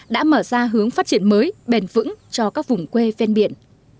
đã mở ra hướng phát triển mới bền vững cho các vùng quê ven biển